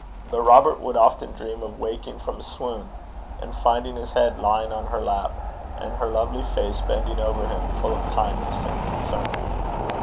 But Robert would often dream of waking from a swoon, and finding his head lying on her lap, and her lovely face bending over him full of kindness and concern.